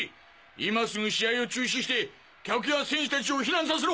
今すぐ試合を中止して客や選手たちを避難させろ！